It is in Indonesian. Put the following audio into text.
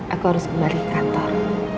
aku harus kembali ke kantor